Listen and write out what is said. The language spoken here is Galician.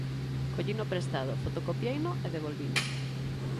Collino prestado, fotocopieino e devolvino.